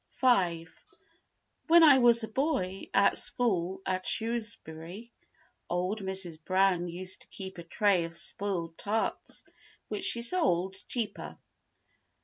v When I was a boy at school at Shrewsbury, old Mrs. Brown used to keep a tray of spoiled tarts which she sold cheaper.